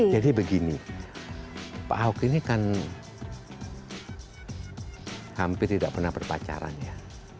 jadi begini pak ahok ini kan hampir tidak pernah berpacaran ya